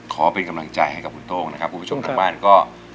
ขอเป็นกำลังใจให้กับคุณโต้งนะครับคุณผู้ชมทางบ้านก็